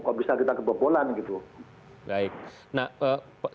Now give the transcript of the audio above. kok bisa kita kebobolan